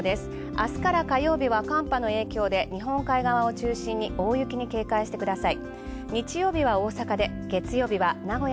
明日から火曜日は寒波の影響で日本海側を中心に大雪に警戒してください。